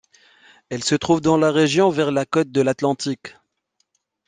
Elle se trouve dans la région vers la côte de l'Atlantique.